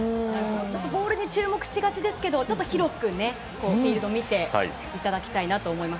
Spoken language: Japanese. ボールに注目しがちですが広くフィールドを見ていただきたいと思います。